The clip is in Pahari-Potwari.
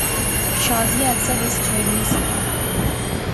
شازیہ اکثر اس چھیڑنی سی